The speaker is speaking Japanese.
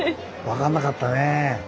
分かんなかったねえ。